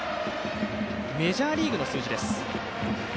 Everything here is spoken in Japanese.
メジャーリーグの数字です。